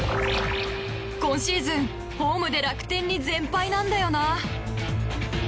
今シーズン、ホームで楽天に全敗なんだよな。